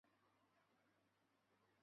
后代以右师戊以其行次仲为氏。